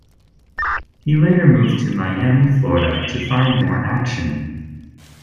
He later moved to Miami, Florida, to find more action.